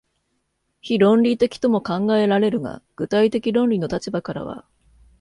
非論理的とも考えられるが、具体的論理の立場からは、